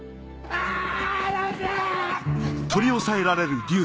あぁ！